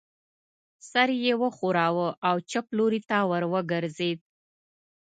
سر یې و ښوراوه او چپ لوري ته ور وګرځېد.